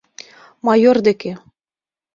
— Майор деке!